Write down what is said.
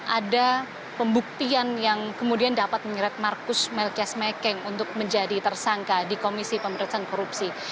ada pembuktian yang kemudian dapat menyeret markus melkias mekeng untuk menjadi tersangka di komisi pemerintahan korupsi